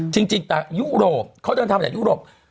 จริงแต่ยุโรปเขาจะมาจากยุโรป